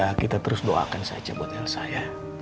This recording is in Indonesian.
ya kita terus doakan saja buat elsa ya